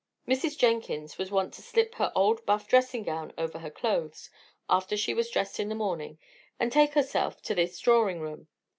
Mrs. Jenkins was wont to slip her old buff dressing gown over her clothes, after she was dressed in a morning, and take herself to this drawing room.